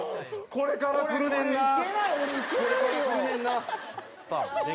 これから来るねんな。